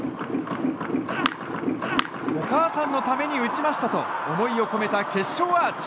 お母さんのために打ちましたと思いを込めた決勝アーチ。